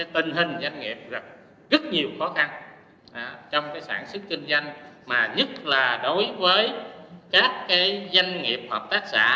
tình hình doanh nghiệp gặp rất nhiều khó khăn trong sản xuất kinh doanh mà nhất là đối với các doanh nghiệp hợp tác xã